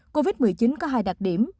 covid một mươi chín có hai đặc điểm